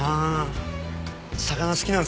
魚好きなんですね。